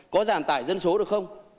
có giảm tải dân số được không